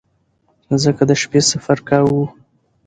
ځکه د شپې سفر کاوه.